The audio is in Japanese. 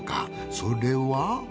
それは。